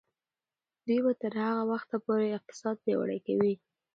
دوی به تر هغه وخته پورې اقتصاد پیاوړی کوي.